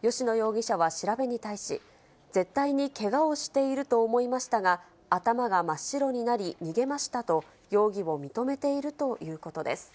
吉野容疑者は調べに対し、絶対にけがをしていると思いましたが、頭が真っ白になり、逃げましたと、容疑を認めているということです。